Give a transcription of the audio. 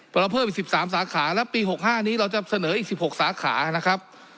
เราเพิ่มอีก๑๓สาขาและปี๖๕นี้เราจะเสนออีก๑๖สาขานะครับ